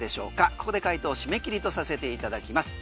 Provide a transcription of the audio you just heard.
ここで回答締め切りとさせていただきます。